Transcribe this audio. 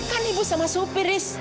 kan ibu sama sopir ris